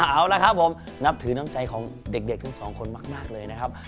เอาละครับผมนับถือน้ำใจของเด็กทั้งสองคนมากเลยนะครับ